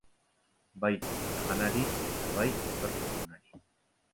Bai iraganari eta bai etorkizunari.